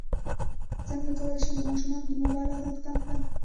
څنګه کولی شم د ماشومانو د موبایل عادت کم کړم